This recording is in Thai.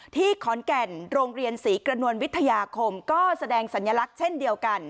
ที่ขอนแก่นโรงเรียนศรีกระนวลวิทยาคมก็แสดงสัญลักษณ์เช่นเดียวกัน